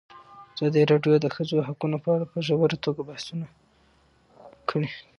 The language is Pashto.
ازادي راډیو د د ښځو حقونه په اړه په ژوره توګه بحثونه کړي.